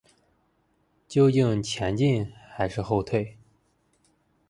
究竟前进还是后退？